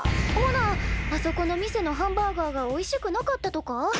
ほなあそこの店のハンバーガーがおいしくなかったとか？